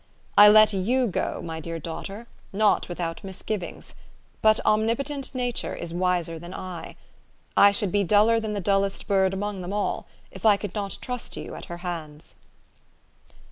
"I let you go, my dear daughter, not without misgivings ; but omnipotent Nature is wiser than I. I should be duller than the dullest bird among them all, if I could not trust you at her hands."